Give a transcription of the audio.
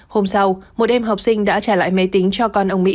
hôm sau một em học sinh đã trả lại máy tính cho con ông mỹ